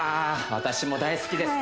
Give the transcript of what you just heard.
私も大好きです